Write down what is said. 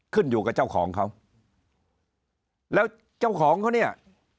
ขึ้นอยู่กับเจ้าของเขาแล้วเจ้าของเขาเนี่ย